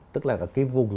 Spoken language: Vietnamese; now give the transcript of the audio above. tức là cái vùng